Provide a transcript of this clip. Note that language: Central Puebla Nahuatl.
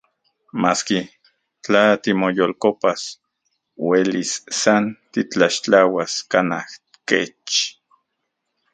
Maski, tla timoyolkopas, uelis san titlaxtlauas kanaj kech.